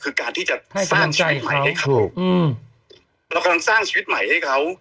คือการที่จะสร้างชีวิตใหม่ให้ถูกอืมเรากำลังสร้างชีวิตใหม่ให้เขา